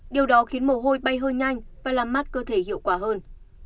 điều đó khiến mồ hôi bay hơi nhanh và làm mát cơ thể hiệu quả hơn